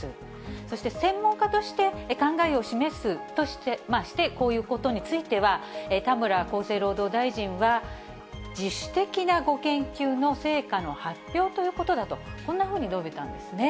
そして専門家として、考えを示すとして、こういうことについては、田村厚生労働大臣は、自主的なご研究の成果の発表ということだと、こんなふうに述べたんですね。